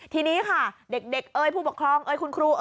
ทีนี้ค่ะเด็กผู้ปกครองคุณครู